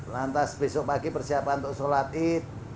lantas besok pagi persiapan untuk sholat id